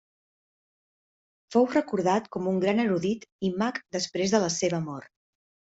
Fou recordat com un gran erudit i mag després de la seva mort.